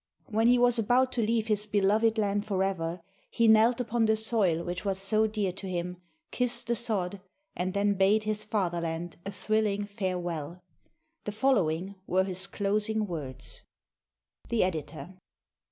When he was about to leave his beloved land forever, he knelt upon the soil which was so dear to him, kissed the sod, and then bade his fatherland a thrilling farewell. The fol lowing were his closing words. The Editor.